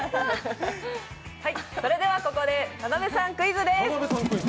それではここで田辺さんクイズです。